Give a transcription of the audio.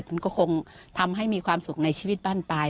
มันก็คงทำให้มีความสุขในชีวิตบ้านปลาย